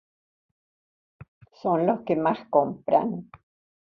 Son los que más compran.